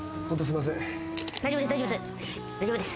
大丈夫です大丈夫です。